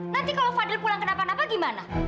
nanti kalau fadil pulang kenapa napal gimana